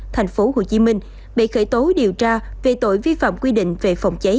thành phố hồ chí minh bị khởi tố điều tra về tội vi phạm quy định về phòng cháy